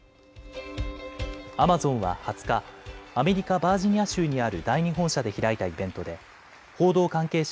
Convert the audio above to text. アマゾンは２０日、アメリカ・バージニア州にある第２本社で開いたイベントで報道関係者